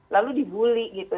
lalu dibully gitu